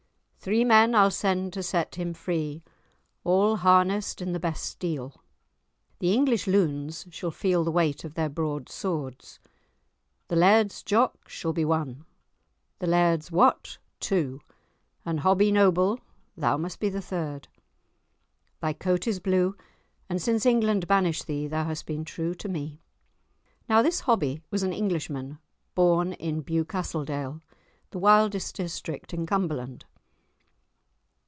"Three men I'll send to set him free, all harnessed in the best steel; the English loons shall feel the weight of their broad swords. The Laird's Jock shall be one, the Laird's Wat two, and Hobbie Noble, thou must be the third. Thy coat is blue, and since England banished thee thou hast been true to me." Now this Hobbie was an Englishman, born in Bewcastledale, the wildest district in Cumberland.